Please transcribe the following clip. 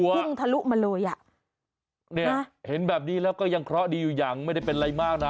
พุ่งทะลุมาเลยอ่ะเนี่ยเห็นแบบนี้แล้วก็ยังเคราะห์ดีอยู่อย่างไม่ได้เป็นอะไรมากนะ